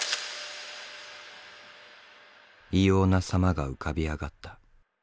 異様な様が浮かび上がった。